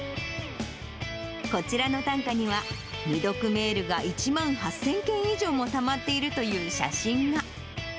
こちらの短歌には、未読メールが１万８０００件以上もたまっているという写真が。